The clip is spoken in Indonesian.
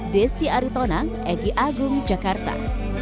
desi aritonang egy agung jakarta